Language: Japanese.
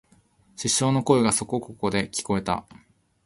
失笑の声がそこここで聞えた